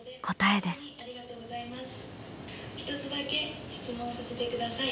「一つだけ質問させてください。